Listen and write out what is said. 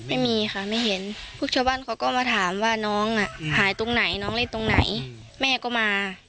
ไม่มีค่ะไม่เห็นพวกชาวบ้านเขาก็มาถามว่าน้องอ่ะหายตรงไหนน้องเล่นตรงไหนแม่ก็มา